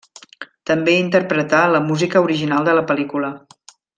També interpretà la música original de la pel·lícula.